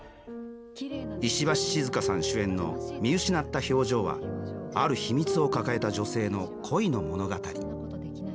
石橋静河さん主演の「見失った表情」はある秘密を抱えた女性の恋の物語。